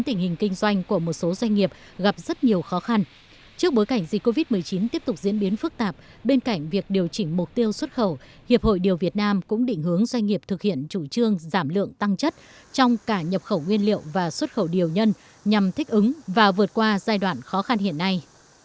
trước bối cảnh dịch covid một mươi chín tiếp tục diễn biến phức tạp bên cạnh việc điều chỉnh mục tiêu xuất khẩu hiệp hội điều việt nam cũng định hướng doanh nghiệp thực hiện chủ trương giảm lượng tăng chất trong cả nhập khẩu nguyên liệu và xuất khẩu điều nhân nhằm thích ứng và vượt qua giai đoạn khó khăn hiện nay